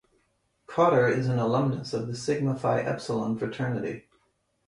Kotter is an alumnus of the Sigma Phi Epsilon fraternity.